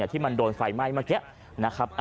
ที่มันโดนไฟไหม้เมื่อกี้